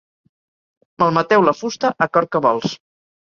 Malmeteu la fusta a cor què vols.